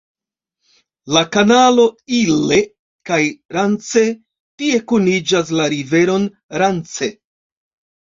La kanalo Ille-kaj-Rance tie kuniĝas la riveron Rance.